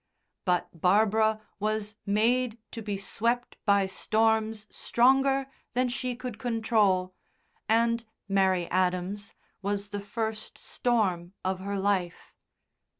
But Barbara was made to be swept by storms stronger than she could control, and Mary Adams was the first storm of her life.